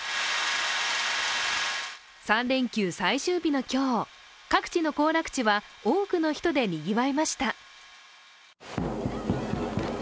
３連休最終日の今日、各地の行楽地は多くの人でにぎわいました。